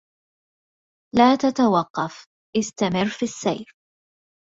لا تتوقف, استمر في السير.